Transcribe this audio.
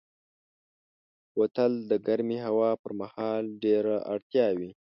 بوتل د ګرمې هوا پر مهال ډېره اړتیا وي.